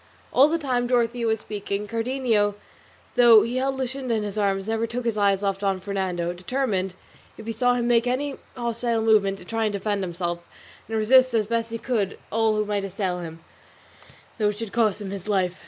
All the time Dorothea was speaking, Cardenio, though he held Luscinda in his arms, never took his eyes off Don Fernando, determined, if he saw him make any hostile movement, to try and defend himself and resist as best he could all who might assail him, though it should cost him his life.